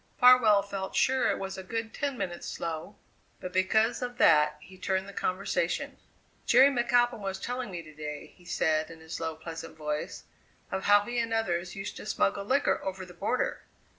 Farwell felt sure it was a good ten minutes slow; but because of that he turned the conversation. "Jerry McAlpin was telling me to day," he said in his low, pleasant voice, "of how he and others used to smuggle liquor over the border.